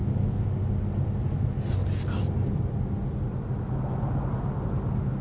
そうですか。